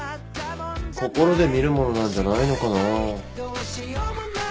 心で見るものなんじゃないのかなぁ。